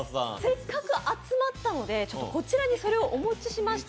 せっかく集まったので、こちらにそれをお持ちしました。